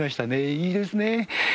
いいですね。